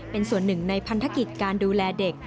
เป็นส่วนหนึ่งในพันธกิจการดูแลเด็ก